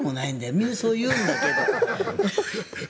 みんな、そう言うんだけど。